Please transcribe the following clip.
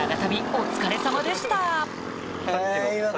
お疲れさまでした！